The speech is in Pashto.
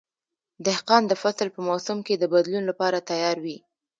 دهقان د فصل په موسم کې د بدلون لپاره تیار وي.